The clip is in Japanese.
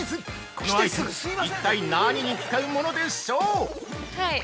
このアイテム一体、何に使うものでしょう？